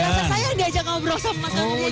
berasa saya diajak ngobrol sama mas kato